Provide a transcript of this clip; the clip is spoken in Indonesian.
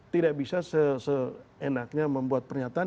tidak bisa seenaknya membuat pernyataan